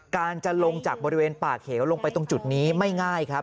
การจะลงจากบริเวณป่าเหวลงไปตรงจุดนี้ไม่ง่ายครับ